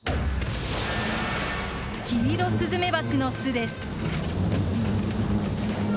キイロスズメバチの巣です。